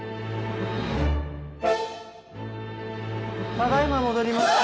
ただ今戻りました。